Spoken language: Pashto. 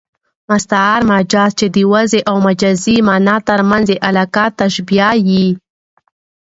مستعار مجاز، چي د وضعي او مجازي مانا تر منځ ئې علاقه تشبېه يي.